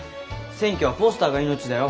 選挙はポスターが命だよ。